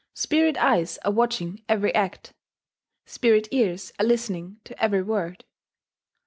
Spirit eyes are watching every act; spirit ears are listening to every word.